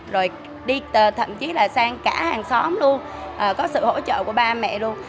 rồi đi thậm chí là sang cả hàng xóm luôn có sự hỗ trợ của ba mẹ luôn